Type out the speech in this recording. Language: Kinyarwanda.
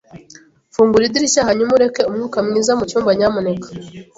Fungura idirishya hanyuma ureke umwuka mwiza mucyumba, nyamuneka.